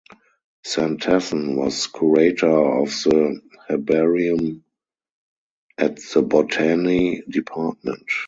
Santesson was Curator of the Herbarium at the Botany Department.